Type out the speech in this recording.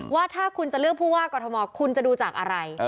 ว่าถ้าคุณจะเลือกผู้ว่ากรทมคุณจะดูจากอะไร